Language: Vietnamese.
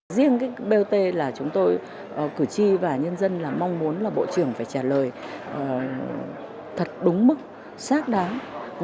riêng cái bot là chúng tôi cử tri và nhân dân là mong muốn là bộ trưởng phải trả lời thật đúng mức xác đáng